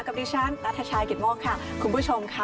กับหรี่ช่างณฑชายกิทมกข์ค่ะ